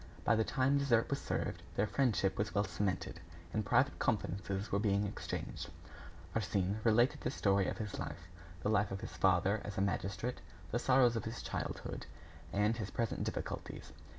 By the time dessert was served, their friendship was well cemented, and private confidences were being exchanged. Arsène related the story of his life, the life of his father as a magistrate, the sorrows of his childhood, and his present difficulties.